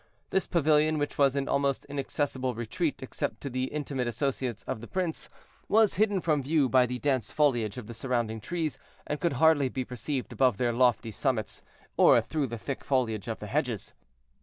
This pavilion, which was an almost inaccessible retreat except to the intimate associates of the prince, was hidden from view by the dense foliage of the surrounding trees, and could hardly be perceived above their lofty summits, or through the thick foliage of the hedges.